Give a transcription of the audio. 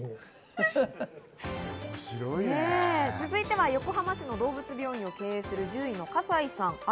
続いては横浜市で動物病院を経営する獣医の笠井さん。